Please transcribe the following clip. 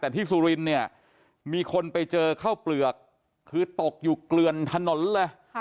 แต่ที่สุรินทร์เนี่ยมีคนไปเจอเข้าเปลือกคือตกอยู่เกลือนถนนเลย